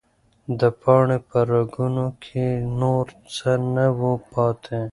د پاڼې په رګونو کې نور څه نه وو پاتې.